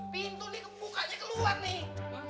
pintu ini bukanya keluar nih